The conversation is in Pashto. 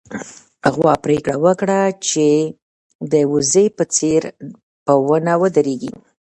غوا پرېکړه وکړه چې د وزې په څېر په ونې ودرېږي.